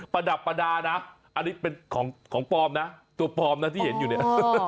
ประดับประดานะอันนี้เป็นของปลอมนะตัวปลอมนะที่เห็นอยู่เนี่ย